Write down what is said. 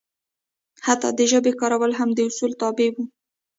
حتی د ژبې کارول هم د اصولو تابع وو.